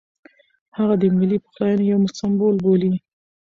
هغه د ملي پخلاینې یو سمبول بولي.